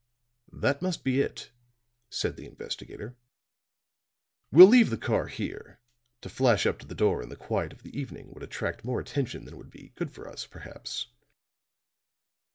"That must be it," said the investigator. "We'll leave the car here; to flash up to the door in the quiet of the evening would attract more attention than would be good for us, perhaps."